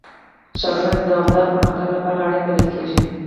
ښارونه د دوامداره پرمختګ لپاره اړین بلل کېږي.